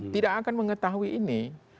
tidak akan mengetahui ini